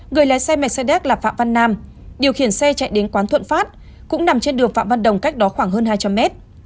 người lái xe mercedes là phạm văn nam điều khiển xe chạy đến quán thuận phát cũng nằm trên đường phạm văn đồng cách đó khoảng hơn hai trăm linh mét